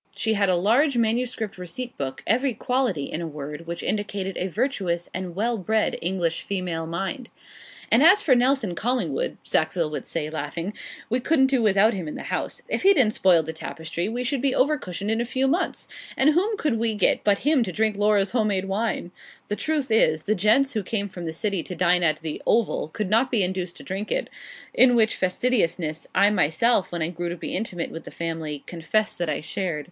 She had a large manuscript receipt book every quality, in a word, which indicated a virtuous and well bred English female mind. 'And as for Nelson Collingwood,' Sackville would say, laughing, 'we couldn't do without him in the house. If he didn't spoil the tapestry we should be 'over cushioned in a few months; and whom could we get but him to drink Laura's home made wine?' The truth is, the gents who came from the City to dine at the 'Oval' could not be induced to drink it in which fastidiousness, I myself, when I grew to be intimate with the family, confess that I shared.